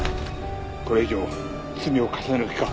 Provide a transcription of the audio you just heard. これ以上罪を重ねる気か？